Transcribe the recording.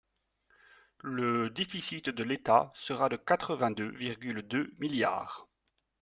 Le déficit de l’État sera de quatre-vingt-deux virgule deux milliards.